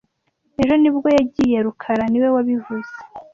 Ejo ni bwo yagiye rukara niwe wabivuze